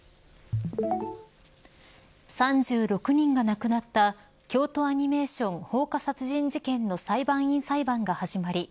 ３６人が亡くなった京都アニメーション放火殺人事件の裁判員裁判が始まり